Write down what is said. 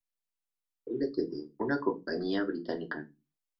Ltd., una compañía británica.